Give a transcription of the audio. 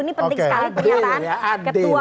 ini penting sekali pernyataan